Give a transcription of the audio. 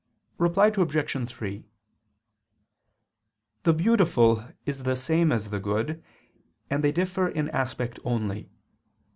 Reply Obj. 3: The beautiful is the same as the good, and they differ in aspect only.